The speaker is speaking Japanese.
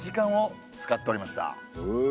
へえ。